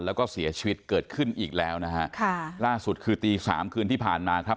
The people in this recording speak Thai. แล้วก็เสียชีวิตเกิดขึ้นอีกแล้วนะฮะค่ะล่าสุดคือตีสามคืนที่ผ่านมาครับ